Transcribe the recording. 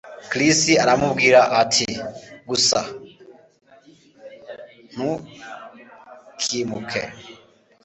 Chris aramubwira ati: "Gusa ... ntukimuke."